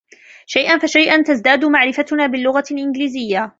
شيئاً فشيئاً تزداد معرفتنا باللغة الإنجليزية.